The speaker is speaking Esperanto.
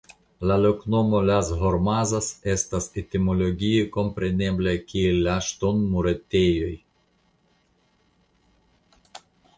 La loknomo "Las Hormazas" estas etimologie komprenebla kiel "La Ŝtonmuretejoj".